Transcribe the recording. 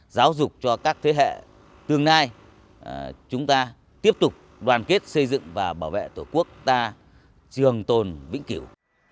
giáo dục cho các thế hệ tương lai chúng ta tiếp tục đoàn kết xây dựng và bảo vệ tổ quốc ta trường tồn vĩnh kiểu